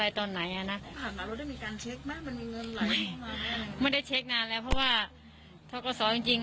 บัญชีนี้เคยมีการเติบเผลอต่อสาธารณะไหมครับป้าแตน